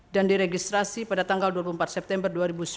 dan diregistrasi pada tanggal dua puluh empat september